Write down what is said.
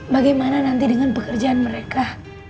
bagaimana nanti dengan pekerjaan mereka